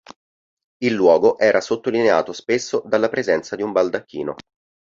Il luogo era sottolineato spesso dalla presenza di un baldacchino.